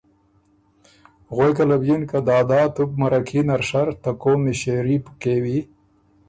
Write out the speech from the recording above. غوېکه له بو یِن که ”دادا تُو بو مرکي نر شر، ته قوم مِݭېري بو کېوی